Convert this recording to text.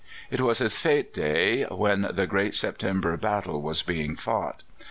It was his fête day when the great September battle was being fought.